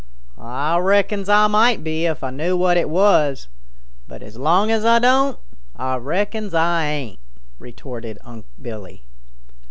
"Ah reckons Ah might be if Ah knew what it was, but as long as Ah don't, Ah reckons I ain't," retorted Unc' Billy.